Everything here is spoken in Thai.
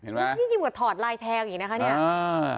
นี่จีบกว่าทอดไลน์แทลกอีกนะคะเนี่ย